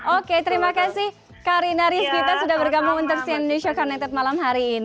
oke terima kasih karina ries kita sudah bergabung di tersien news show connected malam hari ini